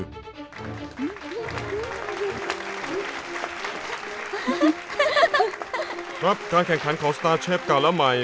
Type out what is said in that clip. การแข่งขันของสตาร์เชฟเก่าและใหม่